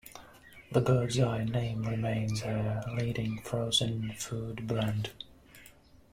The "Birds Eye" name remains a leading frozen-food brand.